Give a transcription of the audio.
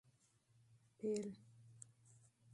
افتتاح